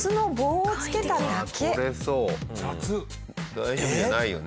大丈夫じゃないよね？